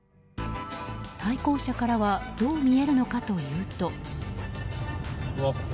対向車からはどう見えるのかというと。